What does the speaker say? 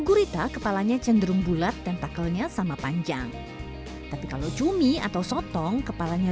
gurita kepalanya cenderung bulat tentakelnya sama panjang tapi kalau cumi atau sotong kepalanya